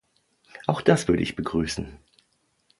Auch das würde ich begrüßen.